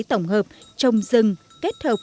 tổng hợp trồng rừng kết hợp